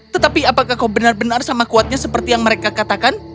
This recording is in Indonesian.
tetapi apakah kau benar benar sama kuatnya seperti yang mereka katakan